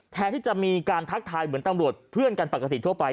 แทนที่จะมีการทักทายเหมือนตำรวจเพื่อนกันปกติทั่วไป